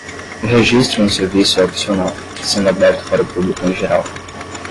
O registro no serviço é opcional, sendo aberto para o público em geral.